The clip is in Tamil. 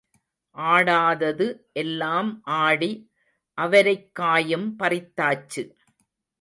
ஆடாதது எல்லாம் ஆடி அவரைக்காயும் பறித்தாச்சு.